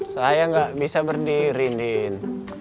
saya gak bisa berdiri andin